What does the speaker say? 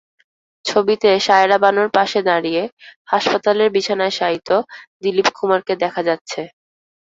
ছবিতে সায়রা বানুর পাশে দাঁড়িয়ে হাসপাতালের বিছানায় শায়িত দিলীপ কুমারকে দেখা যাচ্ছে।